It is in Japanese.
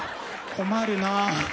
困るな。